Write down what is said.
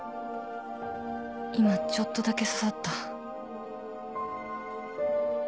今ちょっとだけ刺さった